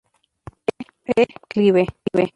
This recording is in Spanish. E. Clive.